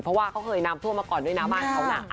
เพราะว่าเขาเคยน้ำท่วมมาก่อนด้วยนะบ้านเขาน่ะ